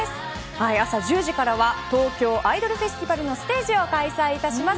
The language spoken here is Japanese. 朝１０時から東京アイドルフェスティバルのステージを開催いたします。